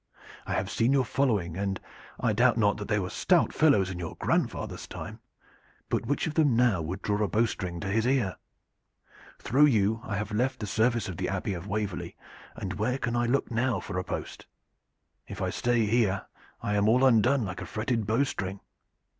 I have seen your following, and I doubt not that they were stout fellows in your grandfather's time; but which of them now would draw a bow string to his ear? Through you I have left the service of the Abbey of Waverley, and where can I look now for a post? If I stay here I am all undone like a fretted bow string."